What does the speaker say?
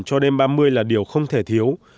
cho đêm ba mươi là điều không thể thiếu